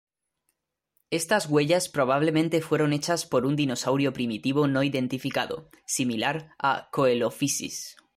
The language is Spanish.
Estas huellas probablemente fueron hechas por un dinosaurio primitivo no identificado, similar a "Coelophysis".